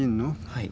はい。